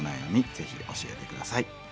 ぜひ教えて下さい。